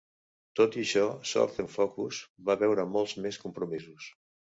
Tot i això, Southern Focus va veure molts més compromisos.